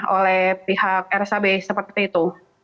oleh pihak rsab seperti itu